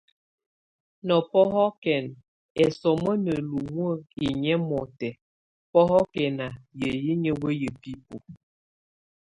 Na bɔ́hɔkɛn esomó na lumuek inyʼ émɔtɛ, bɔ́hɔkɛna yay ínye weya bíbu.